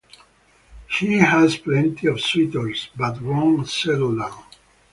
She has plenty of suitors but won't settle down.